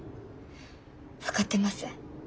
分かってます。